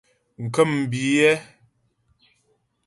Ŋkə̂mbiyɛ́.